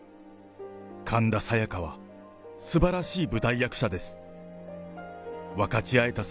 神田沙也加はすばらしい舞台役者です。